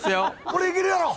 「これいけるやろ」